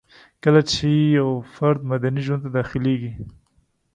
کله چي يو فرد مدني ژوند ته داخليږي